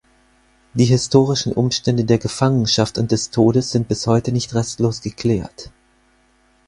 Die historischen Umstände der Gefangenschaft und des Todes sind bis heute nicht restlos geklärt.